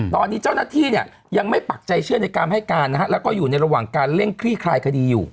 ตอนนี้เจ้าหน้าที่เนี่ยยังไม่ปักใจเชื่อในการให้การนะฮะแล้วก็อยู่ในระหว่างการเร่งคลี่คลายคดีอยู่